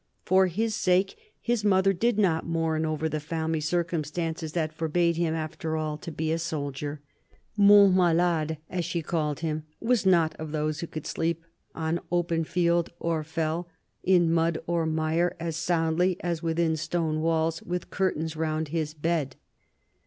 For his sake, his mother did not mourn over the family circumstances that forbade him, after all, to be a soldier. " Mon malade," as she called him, was not of those who could sleep on open field or fell, in mud or mire, as soundly as within stone walls with curtains round his bed.